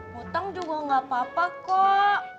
hutang juga gak apa apa kok